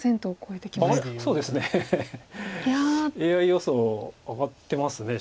ＡＩ予想上がってますね